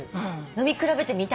飲み比べてみたい。